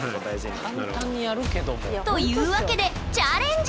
なるほど。というわけでチャレンジ！